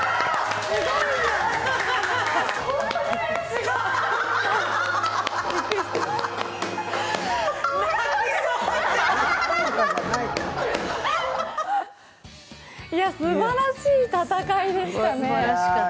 すばらしい戦いでしたね。